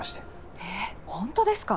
えっ本当ですか？